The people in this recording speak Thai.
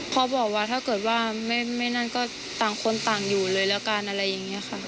เขาบอกว่าถ้าเกิดว่าไม่นั่นก็ต่างคนต่างอยู่เลยแล้วกันอะไรอย่างนี้ค่ะ